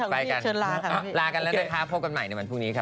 ไปกันลากันแล้วนะคะพบกันใหม่ในวันพรุ่งนี้ครับ